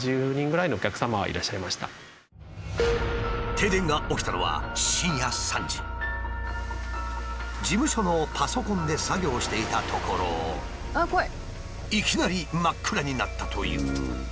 停電が起きたのは事務所のパソコンで作業していたところいきなり真っ暗になったという。